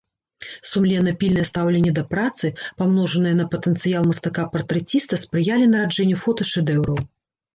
Сумленна-пільнае стаўленне да працы, памножанае на патэнцыял мастака-партрэціста спрыялі нараджэнню фоташэдэўраў.